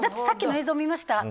さっきの映像、見ました？